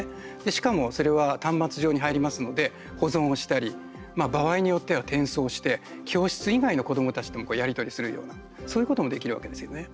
しかも、それは端末上に入りますので保存をしたり場合によっては転送して教室以外の子どもたちともやり取りするような、そういうこともできるわけですよね。